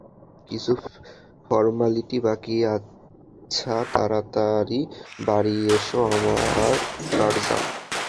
কিছু ফর্মালিটি বাকি আচ্ছা, তাড়াতাড়ি বাড়ি এসো আমার টার্জান।